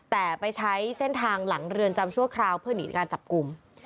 แต่ไปใช้เส้นทางหลังเรือนจำชั่วคราวเพื่อหนีการจับกลุ่ม